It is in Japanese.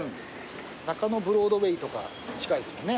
中野ブロードウェイとか近いですもんね。